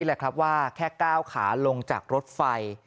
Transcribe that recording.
แหละครับว่าแค่ก้าวขาลงจากรถไฟ